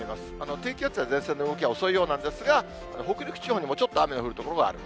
低気圧や前線の動きが遅いようなんですが、北陸地方にもちょっと雨の降る所がある。